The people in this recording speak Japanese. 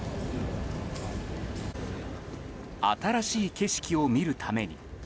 新しい景色を見るために。